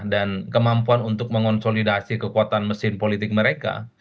dan kemampuan untuk mengonsolidasi kekuatan mesin politik mereka